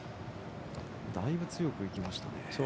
だいぶ強くいきましたね。